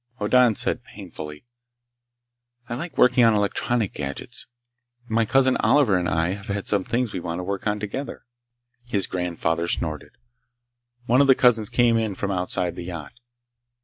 Hoddan said painfully: "I like working on electronic gadgets. My cousin Oliver and I have some things we want to work on together." His grandfather snorted. One of the cousins came in from outside the yacht.